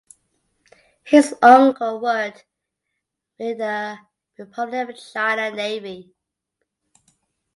His uncle worked in the Republic of China Navy.